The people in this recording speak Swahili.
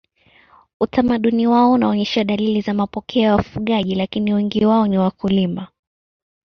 Utamaduni wao unaonyesha dalili za mapokeo ya wafugaji lakini walio wengi ni wakulima.